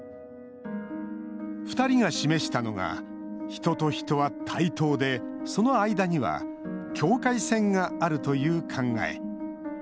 ２人が示したのが人と人は対等で、その間には境界線があるという考え。